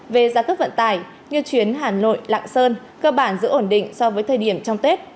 về giá cước vận tải như chuyến hà nội lạng sơn cơ bản giữ ổn định so với thời điểm trong tết